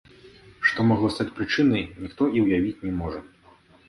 Што магло стаць прычынай, ніхто і ўявіць не можа.